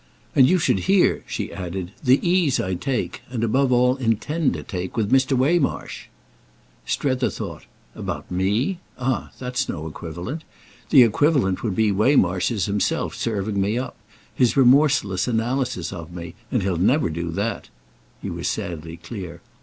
"And you should hear," she added, "the ease I take—and I above all intend to take—with Mr. Waymarsh." Strether thought. "About me? Ah that's no equivalent. The equivalent would be Waymarsh's himself serving me up—his remorseless analysis of me. And he'll never do that"—he was sadly clear.